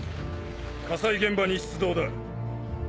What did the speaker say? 火災現場に出動だ。